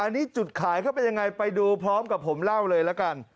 อันนี้จุดขายเขาเป็นยังไงไปดูพร้อมกับผมเล่าเลยละกัน